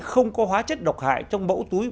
không có hóa chất độc hại trong bẫu túi